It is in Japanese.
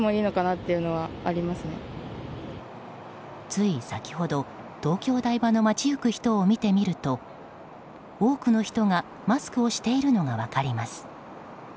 つい先ほど、東京・台場の街行く人を見てみると多くの人がマスクをしているのが分かります。